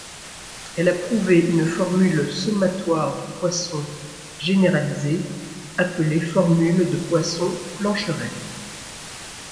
Elle a prouvé une formule sommatoire de Poisson généralisée, appelée formule de Poisson-Plancherel.